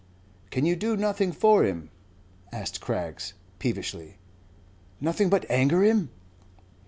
"Can you do nothing for him?" asked Craggs, peevishly "nothing but anger him?"